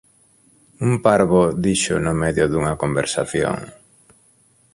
Un parvo dixo no medio dunha conversación: